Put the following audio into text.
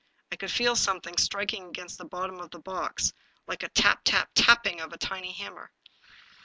I could feel something striking against the bottom of the box, like the tap, tap, tapping of a tiny hammer.